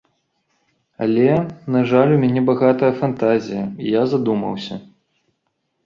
Але, на жаль, у мяне багатая фантазія, і я задумаўся.